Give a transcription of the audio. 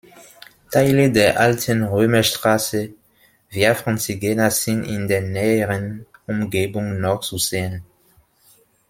Teile der alten Römerstraße Via Francigena sind in der näheren Umgebung noch zu sehen.